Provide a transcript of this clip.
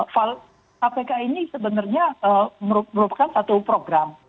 file apk ini sebenarnya merupakan satu program